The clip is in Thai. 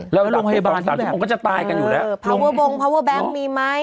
แล้วลงพยาบาลที่แบบพาวเวอร์โบงพาวเวอร์แบงค์มีไหม